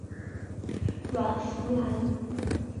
阮福澜。